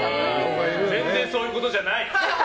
全然そういうことじゃない。